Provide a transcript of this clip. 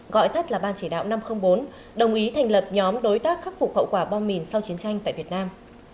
gọi tắt là ban chỉ đạo năm trăm linh bốn đồng ý thành lập nhóm đối tác khắc phục hậu quả bom mìn sau chiến tranh tại việt nam